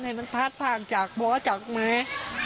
ให้มันพัดผ่านจากบ่อจากไม้